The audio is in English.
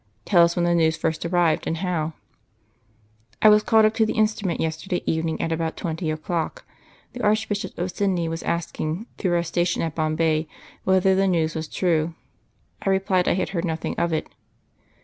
'" "Tell us when the news first arrived, and how." "'I was called up to the instrument yesterday evening at about twenty o'clock. The Archbishop of Sydney was asking, through our station at Bombay, whether the news was true. I replied I had heard nothing of it.